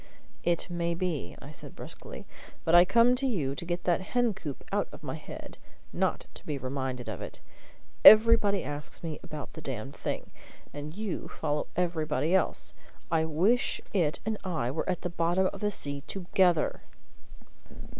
"It may be," said I, brusquely. "But I come to you to get that hen coop out of my head, not to be reminded of it. Everybody asks me about the damned thing, and you follow everybody else. I wish it and I were at the bottom of the sea together!"